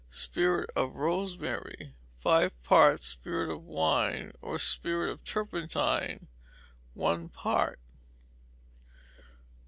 Spirit of rosemary, five parts; spirit of wine, or spirit of turpentine, one part.